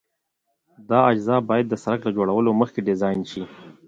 دا اجزا باید د سرک له جوړولو مخکې ډیزاین شي